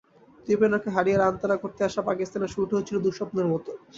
দুই ওপেনারকে হারিয়ে রান তাড়া করতে আসা পাকিস্তানের শুরুটা হয়েছিল দুঃস্বপ্নের মতো।